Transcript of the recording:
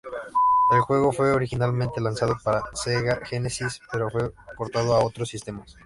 El juego fue originalmente lanzado para Sega Genesis, pero fue portado a otros sistemas.